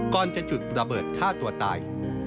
ก่อนจะจุดระเบิดฆ่าตัวตาย